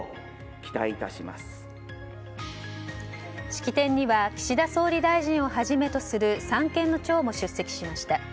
式典には岸田総理大臣をはじめとする三権の長も出席しました。